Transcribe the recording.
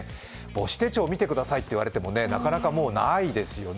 母子手帳を見てくださいといわれてもなかなかもうないですよね。